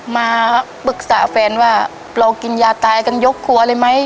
มาปรึกษาแฟนว่าเรากินยาตายกันยกครัวเลยไหม